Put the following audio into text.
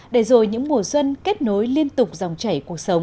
để rồi những mùa xuân kết nối liên tục dòng chảy cuộc sống